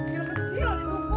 dia kecil itu pot